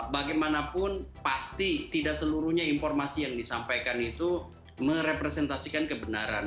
bagaimanapun pasti tidak seluruhnya informasi yang disampaikan itu merepresentasikan kebenaran